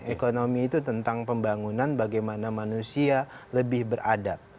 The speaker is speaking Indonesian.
ekonomi itu tentang pembangunan bagaimana manusia lebih beradab